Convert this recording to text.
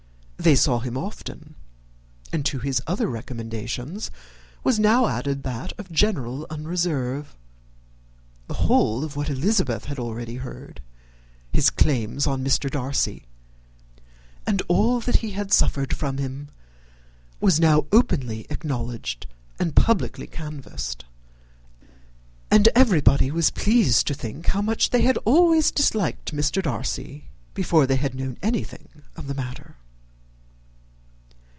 They saw him often, and to his other recommendations was now added that of general unreserve. The whole of what Elizabeth had already heard, his claims on Mr. Darcy, and all that he had suffered from him, was now openly acknowledged and publicly canvassed; and everybody was pleased to think how much they had always disliked Mr. Darcy before they had known anything of the matter.